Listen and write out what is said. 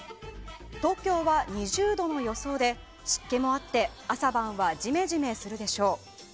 東京は２０度の予想で湿気もあって、朝晩はジメジメするでしょう。